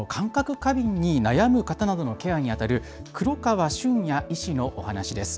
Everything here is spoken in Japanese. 過敏に悩む方などのケアにあたる黒川駿哉医師のお話です。